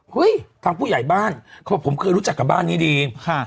เฮ้ยทางผู้ใหญ่บ้านเขาบอกผมเคยรู้จักกับบ้านนี้ดีค่ะ